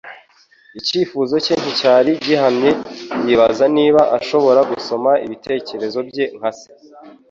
Icyifuzo cye nticyari gihamye, yibaza niba ashobora gusoma ibitekerezo bye nka se.